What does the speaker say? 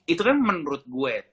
itu kan menurut gue